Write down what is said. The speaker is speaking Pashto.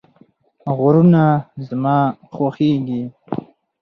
غرونه زما خوښیږي